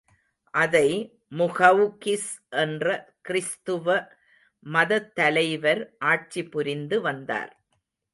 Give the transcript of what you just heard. அதை முகெளகிஸ் என்ற கிறிஸ்துவ மதத் தலைவர் ஆட்சி புரிந்து வந்தார்.